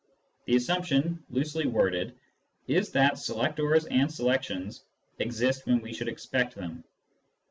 The assumption, loosely worded, is that selectors and selections exist when we should expect them.